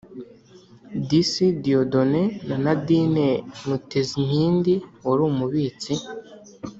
Disi Dieudonné na Nadine Mutezinkindi wari umubitsi